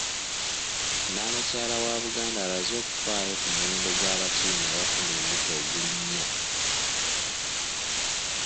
Nnaabakyala wa Buganda alaze okufaayo ku muwendo gw'abattiini abafuna embuto ogulinnya.